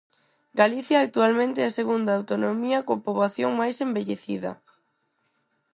Galicia actualmente é a segunda autonomía coa poboación máis envellecida.